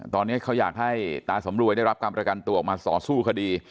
ตอนนี้เขาอยากให้ตาสำรวยได้รับการประกันตัวออกมาต่อสู้คดี